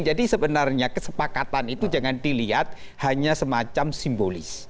jadi sebenarnya kesepakatan itu jangan dilihat hanya semacam simbolis